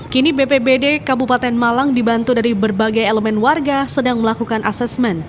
kini bpbd kabupaten malang dibantu dari berbagai elemen warga sedang melakukan asesmen